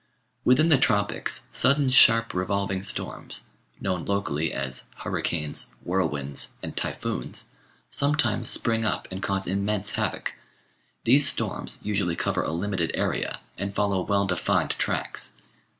Within the Tropics sudden sharp revolving storms, known locally as "hurricanes," "whirlwinds," and "typhoons," sometimes spring up and cause immense havoc. These storms usually cover a limited area, and follow well defined tracks.